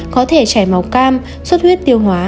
có thể chảy máu cam suốt huyết tiêu hóa